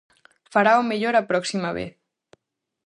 Farao mellor a próxima vez.